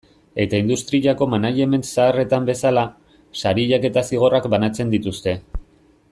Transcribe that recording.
Eta industriako management zaharretan bezala, sariak eta zigorrak banatzen dituzte.